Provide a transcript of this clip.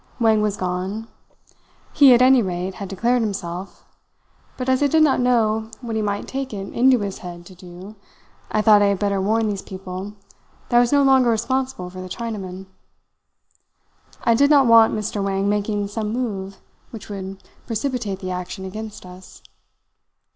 Wang was gone. He, at any rate, had declared himself, but as I did not know what he might take it into his head to do, I thought I had better warn these people that I was no longer responsible for the Chinaman. I did not want Mr. Wang making some move which would precipitate the action against us.